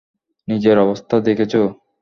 নিজের অবস্থা দেখেছো!